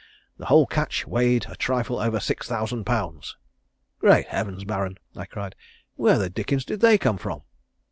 The whole catch weighed a trifle over six thousand pounds." "Great Heavens, Baron," I cried. "Where the dickens did they come from?"